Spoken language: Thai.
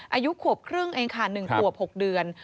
อายุขวบครึ่งเองค่ะ๑ขวบ๖เดือน